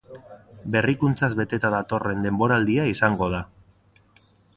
Berrikuntzaz beteta datorren denboraldia izango da.